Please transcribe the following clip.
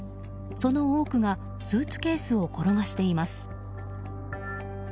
その多くがスーツケースを転がしています。